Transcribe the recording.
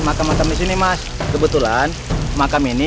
makam disini mas kebetulan makam ini